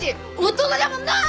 男じゃもんのー！